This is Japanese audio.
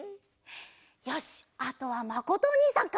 よしあとはまことおにいさんか。